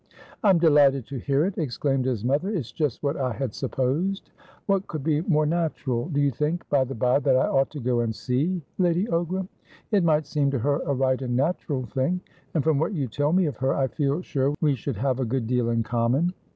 "I'm delighted to hear it!" exclaimed his mother. "It's just what I had supposed. What could be more natural. Do you think, by the bye, that I ought to go and see Lady Ogram? It might seem to her a right and natural thing. And, from what you tell me of her, I feel sure we should have a good deal in common."